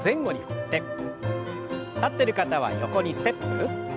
立ってる方は横にステップ。